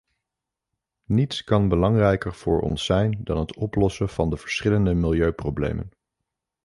Niets kan belangrijker voor ons zijn dan het oplossen van de verschillende milieuproblemen.